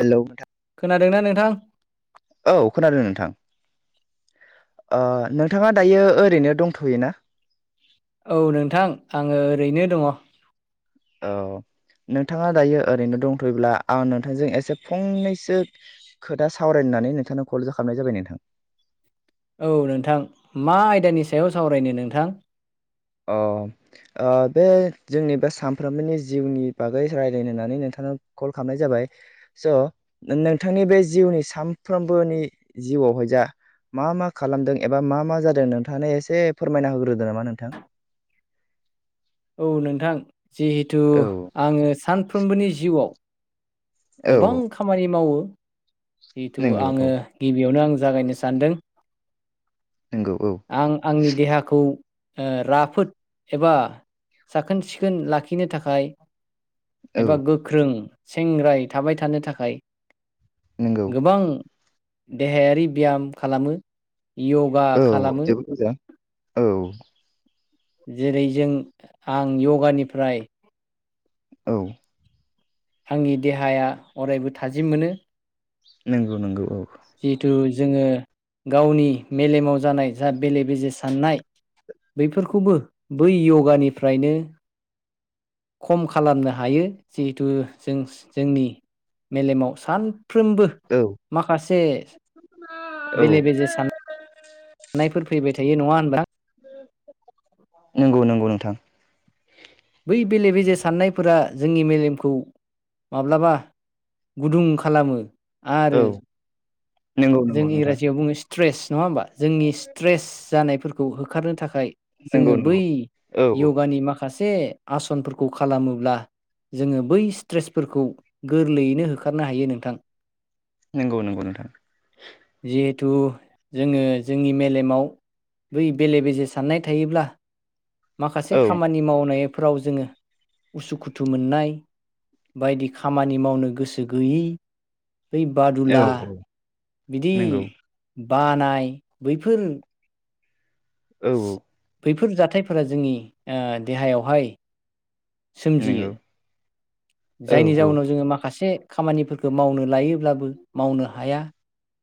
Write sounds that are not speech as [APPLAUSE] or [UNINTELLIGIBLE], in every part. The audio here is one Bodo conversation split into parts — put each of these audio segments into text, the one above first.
हेलौ। खोनादोंना नोंथां? औ खोनादों नोंथां। नोंथाङा दायो ओरैनो दंथ'य ना? औ नोंथां आङो ओरैनो दङ। औ नोंथाङा दायो ओरैनो दंथ'योब्ला, आं नोंथांजों एसे फंनैसो खोथा सावरायनानै नोंथांनाव कल ज खालामनाय जाबाय नोंथां। औ नोंथां मा आयदानि सायाव सावरायनो नोंथां? औ। बे जोंनि बे सानफ्रोमबोनि जिउनि बागै रायज्लायनोनानै नोंथांाव कल खालामनाय जाबाय। स' नोंथांनि बे जिउनि सानफ्रोमबोनि जिउआवहाय जा मा मा खालामदों एबा मा मा जादों नोंथाङानो एसे फोरमायना होग्रोदों नामा नोंथां। औ नोंथां जिहेथु औ आङो सानफ्रोमबोनि जिउआव। औ गोबां खामानि मावो जिहेथु नंगौ औ आङो गिबियावनो आं जागायनो सानदों। नंगौ औ। आं आंनि देहाखौ राफोद एबा साखोन सिखोन लाखिनो थाखाय एबा औ गोख्रों सेंग्राय थाबाय थानो थाखाय। नंगौ गोबां देहायारि ब्याम खालामो। योगा औ खालामो। [UNINTELLIGIBLE] औ। जेरै जों आं यगानिफ्राय औ। आंनि देहाया अरायबो थाजिम मोनो। नंगौ नंगौ औ। जिहेथु जोङो गावनि मेलेमाव जानाय जा बेले बेजे साननाय। बैफोरखौबो बै य'गानिफ्रायनो खम खालामनो हायो जिहेथु जों जोंनि मेलेमाव सानफ्रोमबो औ। फारसे औ बेले बेजे साननायफोर फैबाय थायो नङा होनबा? नंगौ नंगौ नोंथां। बै बेले बेजे साननायफोरा जोंनि मेलेमखौ माब्लाबा गुदुं खालामो औ आरो नंगौ जों नंगौ नोंथां इंराजियाव बुङो स्ट्रेस नङा होमबा? जोंनि स्ट्रेस जानायफोरखौ होखारनो थाखाय नंगौ जोङो नंगौ बै औ यगानि माखासे आसनफोरखौ खालामोब्ला जोङो बै स्ट्रेसफोरखौ गोरलैयैनो होखारनो हायो नोंथां। नंगौ नंगौ नोंथां। जिहेथु जोङो जोंनि मेलेमाव बै बेले बेजे साननाय थायोब्ला। माखासे औ खामानि मावनायफोराव जोङो उसुखुथु मोननाय बायदि खामानि मावनो गोसो गैयै औ बादुला औ बिदि नंगौ बानाय बैफोर औ औ। बैफोर जाथायफोरा जोंनि देहायावहाय सोमजियो नंगौ औ जायनि जाउनाव जोङो माखासे खामानिफोरखौ मावनो लायोब्लाबो मावनो हाया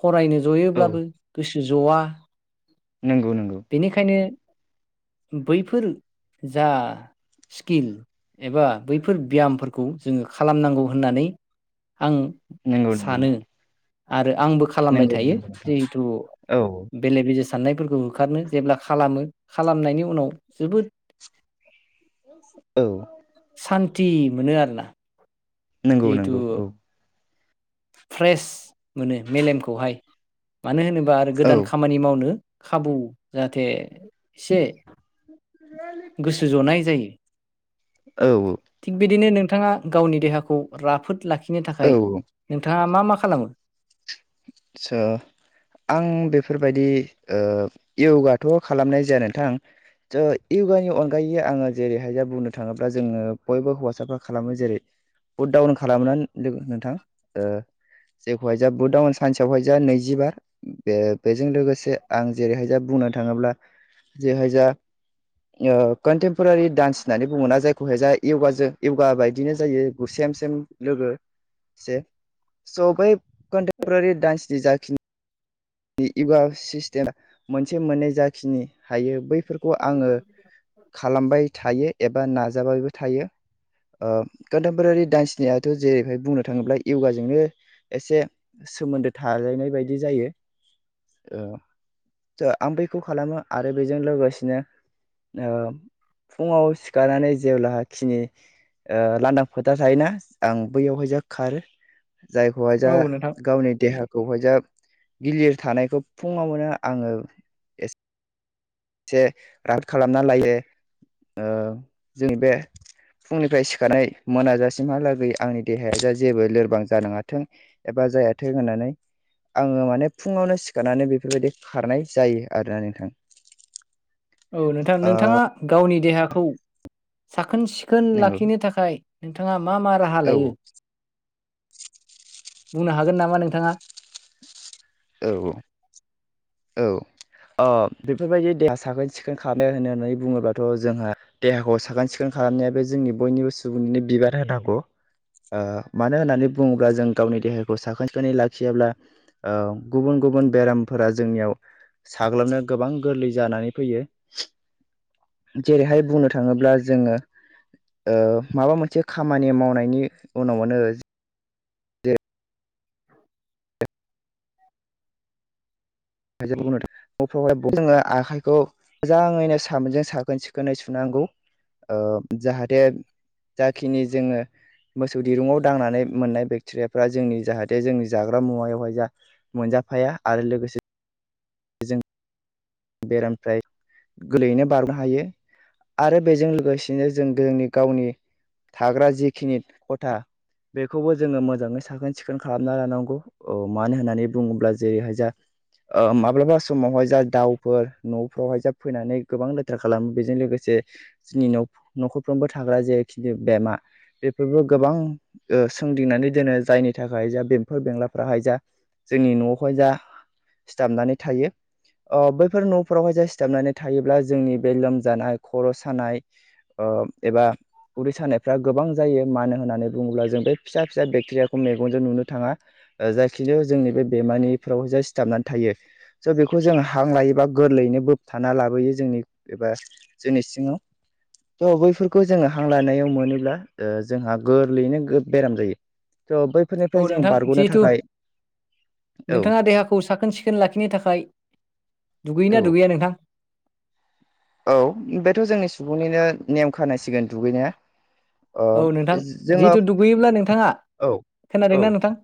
फरायनो औ जयोब्लाबो गोसो ज'आ नंगौ नंगौ। बेनिखायनो बैफोर जा स्किल एबा बैफोर ब्यामफोरखौ जोङो खालामनांगौ होननानै आं नंगौ नंगौ सानो आरो आंबो। खालामबाय नंगौ थायो नंगौ नोंथां जिहेथु। औ बेले बेजे साननायफोरखौ होखारनो जेब्ला खालामो खालामनायनि उनाव जोबोद। औ सान्ति मोनो आरोना नोंगौ नोंगौ जिहेथु औ। फ्रेस मोनो मेलेमखौहाय मानो होनोबा आरो औ गोदान खामानि मावनो। खाबु जाहाथे एसे। गोसो जनाय जायो [UNINTELLIGIBLE] औ औ थिग बिदिनो नोंथाङा गावनि देहाखौ राफोद लाखिनो थाखाय औ नोंथाङा मा मा खालामो? [UNINTELLIGIBLE] आं बेफोरबायदि यग्गा खालामनाय जाया नोंथां। स' य्गानि अनगायै आङो जेरैहाय जा बुंनो थाङोब्ला जोङो बयबो हौवासाफ्रा खालामो जेरै। बुटडाउन खालामनानै लोगो नोंथां ओ जेखौहाय जा बुटडाउन। सानसेआवहाय जा नैजिबार बे बेजों लोगोसे आं जेरैहाय जा बुंनो थाङोब्ला। जे हायजा। कन्टेमपरारि डान्स होननानै बुङोना जायखौहाय जाय जों योगा बायदिनो जायो सेम सेम लोगो से स' बै। परारि डान्सनि जाखिनि इयगा सिस्टेम मोनसे मोननै जाखिनि हायो बैफोरखौ आङो। खालामबाय थायो एबा नाजाबायबो थायो। कन्टेमपरारि दडान्सनियाथ' जेरैहाय बुंनो थाङोब्ला यग्गाजोंनो एसे। सोमोन्दो थालायनाय बायदि जायो। ओ आं बैखौ खालामो आरो बेजों लोगोसेनो ओ फुङाव सिखारनानै जेब्लाखिनि। लांदां फोथार थायोना आं बैयावहाय जों खारो। जायखौहाय औ जा नोंथां गावनि देहाखौहाय जा। गिलिर थानायखौ फुङाव मोननो आङो। एसे राद खालामना लायो ओ जोंनि बे फुंनिफ्राय सिखारनाय मोनाजासिमहालागै आंनि देहाया जा जेबो लोरबां जानो हाथों। एबा जायाथों होनानै। आङो माने फुङावनो सिखारनानै बेफोरबायदि खारनाय जायो आरोना नोंथां। औ नोंथां नोंथाङा गावनि देहाखौ साखोन सिखोन नंगौ लाखिनो थाखाय। नोंथाङा मा मा राहा औ लायो बुंनो हागोन नामा नोंथाङा? औ औ औ अ बेफोरबायदि देहा साखोन सिखोन खालामनाय होननानै बुङोब्लाथ' जोंहा। देहाखौ साखोन सिखोन खालामनाया बे जोंनि बयनिबो सुबुंनिनो बिबार होनांगौ। ओ मानो होननानै बुङोब्ला जों गावनि देहाखौ साखोन सिखोनै लाखियाब्ला ओ गुबुन गुबुन बेरामफोरा जोंनियाव साग्लोबनो गोबां गोरलै जानानै फैयो। जेरैहाय बुंनो थाङोब्ला जोङो। माबा मोनसे खामानि मावनायनि उनावनो। [INAUDIBLE] [UNINTELLIGIBLE] न'फ्रावहाय जोङो आखाइखौ। मोजाङैनो सामोनजों साखोन सिखोनै सुनांगौ ओ जाहाथे। जाखिनि जोङो। मोसौ दिरुङाव दांनानै मोननाय बेक्टेरियाफ्रा जोंनि जाहाथे जोंनि जाग्रा मुवायावहाय जा। मोनजाफाया आरो लोगोसे। जों बेरामनिफ्राय गोरलैयैनो बारनो हायो। आरो बेजों लोगोसेनो जों जोंनि गावनि थाग्रा जिखिनि खथा बेखौबो जोङो मोजाङै साखोन सिखोन खालामना लानांगौ। औ मानो होननानै बुङोब्ला जेरैहाय जा ओ माब्लाबा समावहाय जा दाउ फोर न'फ्रावहाय जा फैनानै गोबां लेथ्रा खालामो बेजों लोगोसे जोंनि न'-न'खरफ्रावबो थाग्रा जेखि बेमा बेफोरबो गोबां सोंदिंनानै दोनो जायनि थाखाय जा बेमफोर बेंलाफ्राहाय जा जोंनि न'आवहाय जा सिथाबनानै थायो आं बे बेफोर न'फोरावहाय ज सिथाबनानै थायोब्ला जोंनि बे लोमजानाय खर' सानाय एबा उदै सानायफ्रा गोबां जायो मानो होन्नानै बुङोब्ला जों बे फिसा फिसा बेक्टेरियाखौ मेगनजों नुनो थाङा। जायखिजाया जोंनि बे बेमानिफ्राव जे सिथाबनानै थायो स' बेखौ जोङो हां लायो एबा गोरलैयैनो बोबथाना लाबोयो जोंनि एबा जोंनि सिं थ' बैफोरखौ जोङो हां लानायाव मोनोब्ला जोंहा गोरलैयैनो बेराम जायो थ' बै औ नोंथां जिहेथु औ नोंथाङा देहाखौ साखोन सि सिखोन लाखिनो थाखाय औ दुगैयोना दुगैया नोंथां? औ बेथ' जोंनि सुबुंनिनो नेम खानायसिगोन दुगैनाया। ओ औ नोंथां जोङो जिहेथु दुगैयोब्ला नोंथाङा औ खोनादोंना नोंथां?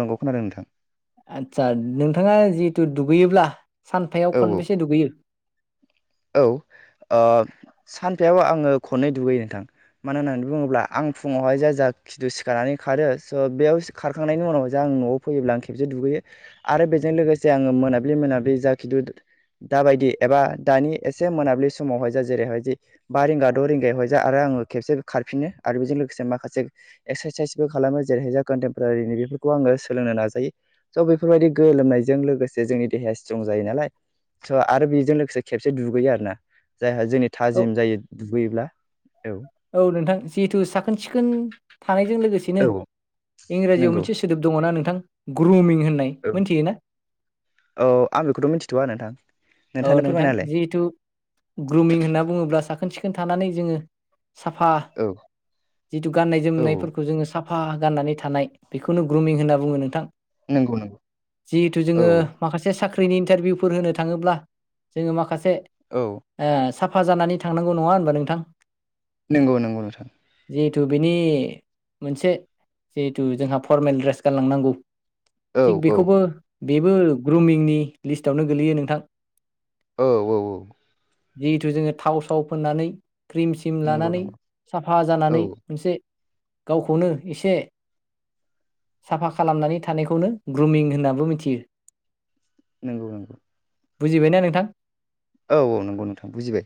नांगखौ खोनादों नोंथां। आदसा नोंथाङा जिहेथु दुगैयोब्ला सानथायाव औ औ खनबेसे दुगैयो? औ सानफाब आङो खननै दुगैयो नोंथां। मानो होननानै बुङोब्ला आं फुङावहाय जाय जा खिदु सिखारनानै खारो स' बेयाव खारखांनायनि उनाव जे आं न'आव फैयोब्ला आं खेबसे दुगैयो आरो बेजों लोगोसे आङो मोनाब्लि मोनाब्लि जा खिथु दाबायदि एबा दानि एसे मोनाबिलि समावहाय जा जेरैहाय जि बा रिंगा द' रिंगायाव हयज जा आरो आङो खेबसे खारफिनो आरो बेजों लोगोसे माखासे एक्सारसाइसबो खालामो जेरैहायज कन्टेमपरारिनि बेफोरखौ आङो सोलोंनो नाजायो। स' बेफोरबायदि गोलोमनायजों लोगोसे जोंनि देहाया स्ट्रं जायो नालाय स' आरो बेजों लोगोसे खेब से दुगैयो आरो ना जायहा जोंनि औ थाजिम जायो दुगैयोब्ला औ। औ नोंथां जिहेथु साखोन सिखोन थानायजों लोगोसेनो औ इंराजियाव नंगौ मोनसे सो सोदोब दङना नोंथां ग्रुमिं होननाय मिथियोना? औ आं बेखौथ' मिथिथ'आ नोंथां। औ नोंथाङानो नोंथां फोरमायना होलाय जिहेथु ग्रुमिं होनना बुङोब्ला साखोन सिखोन थानानै जोङो साफा औ जिथु गाननाय औ जोमनायफोरखौ जोङो सा फा गाननानै थानाय बेखौनो ग्रमिं होनना बुङो नोंथां। नंगौ नंगौ जिहेथु औ जोङो माखासे साख्रिनि इन्टारभिउफोर होनो थाङोब्ला जोङो माखासे औ। ओ साफा जानानै थांनांगौ नङा होनबा नोंथां। नंगौ नंगौ नोंथां। जिहेथु बेनि मोनसे जिहेथु जोंहा फरमेल ड्रेस गानलांनांगौ औ थिग औ बेखौबो बेबो ग्रुमिंनि लिस्टावनो गोलैयो नोंथां। औ औ। औ जिहेथु जोङो थाव साव फोननानै क्रिम सिम नंगौ लानानै नंगौ साफा औ जानानै मोनसे गावखौनो एसे साफा खालामनानै थानायखौनो ग्रुमिं होन्नाबो मिथियो। नंगौ नंगौ। बुजिबायना नोंथां? औ औ नंगौ नोंथां बुजिबाय।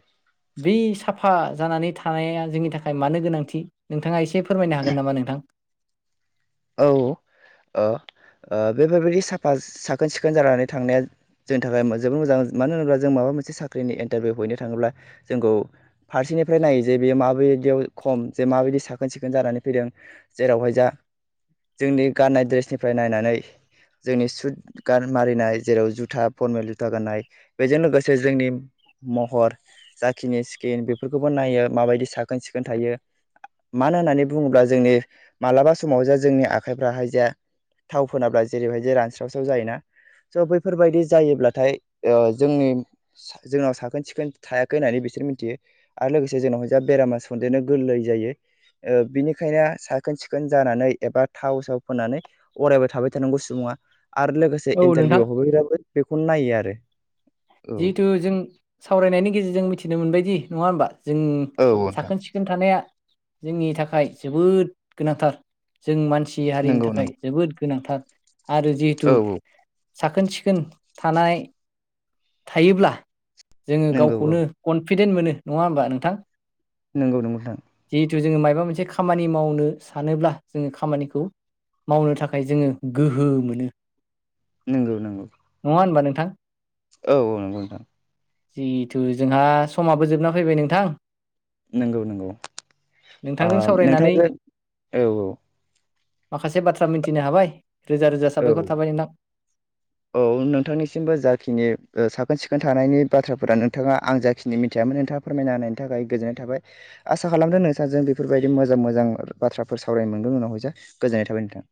बि साफा जानानै थानाया जोंनि थाखाय मानो गोनांथि नोंथाङा एसे फोरमायनो हागोन नामा नोंथां? औ ओ बेफोरबायदि साफा साखोन सिखोन जानानै थांनाया, जोंनि थाखाय जोबोर मोजां मानो होनोब्ला जों माबा मोनसे साख्रिनि इन्टारभिउ हैनो थाङोब्ला जोंखौ। फारसेनिफ्राय नायो जे बेयो माबायदियाव खम जे माबायदि साखोन सिखोन जानानै फैदों। जेरावहाय जा। जोंनि गाननाय दड्रेसनिफ्राय नायनानै। जोंनि सुद गान मारिनाय जेराव जुथा परमेल जुथा गाननाय। बेजों लोगोसे जोंनि महर जाखिनि स्किन बेफोरखौबो नायो माबायदि साखोन सिखोन थायो। मानो होननानै बुङोब्ला जोंनि मालाबा समाव जाे जोंनि आखाइफ्राहाय जा थाव फोनाब्ला जेरैबायदि रानस्रावस्राव जायो ना? स' बैफोरबायदि जायोब्लाथाय ओ जोंनि, जोंनाव साखोन सिखोन थायाखै होन्नानै बिसोर मिथियो। आरो लोगोसे जोंनावहाय जा बेरामा सन्देरनो गोरलै जायो। बिनिखायनो साखोन सिखोन जानानै। एबा थावउसाव फोननानै अरायबो थाबाय थानांगौ सुबुङा आरो लोगोसे औ नोंथां इन्टारभिउआव हाबैग्राबो। बेखौनो नायो आरो औ जिहेथु जों सावरायनायनि गेजेरजों मिथिनो मोनबायदि नङा होमबा जों साखोन सिख सिखोन थानाया जोंनि थाखाय जोबोद गोनांथार जों मानसि हारिनि नंगौ थाखाय। नंगौ जोबोद गोनांथार आरो औ जिहेथु औ साखोन सिखोन थानाय, थायोब्ला जोङो नंगौ औ गावखौनो कनफिदेन्ट मोनो नङा होमबा नोंथां नंगौ नंगौ नोंथां। जिहेथु जोङो माबा मोनसे खामानि मावनो सानोब्ला जोङो खामानिखौ, मावनो थाखाय जोङो गोहो मोनो, नंगौ नंगौ। नङा होनबा नोंथां, औ औ नंगौ नोंथां, जिहेथु जोंहा समाबो जोबना फैबाय नोंथां। नंगौ नंगौ ओ नोंथांजों सावरायनानै नोंथांजो औ औ माखासे बाथ्रा मिथिनो हाबाय रोजा रोजा औ साबायखर औ थाबाय नोंथां। औ नोंथांनिसिमबो जाखिनि साखोन सिखोन थानायनि बाथ्राफोरा नोंथाङा आं जाखिनि मिथियामोन नोंथाङा। फोरमायना होनायनि थाखाय गोजोननाय थाबाय। आसा खालामदों नोंसाजों बेफोरबायदि मोजां मोजां बाथ्राफोर सावरायनो मोनदों उनाव जाहाय गोजोननाय थाबाय नोंथां।